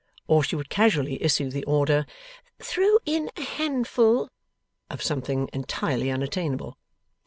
Or, she would casually issue the order, 'Throw in a handful ' of something entirely unattainable.